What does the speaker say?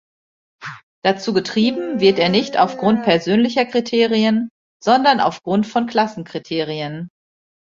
Dazu getrieben wird er nicht auf Grund persönlicher Kriterien, sondern auf Grund von Klassenkriterien.